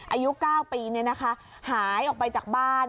อายุ๙ปีหายออกไปจากบ้าน